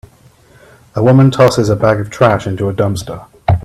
A woman tosses a bag of trash into a dumpster.